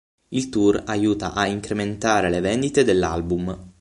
Il tour aiuta a incrementare le vendite dell'album.